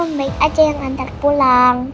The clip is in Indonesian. nanti om baik aja yang nantar pulang